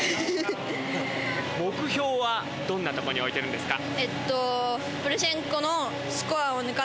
目標はどんなところに置いてるんですか。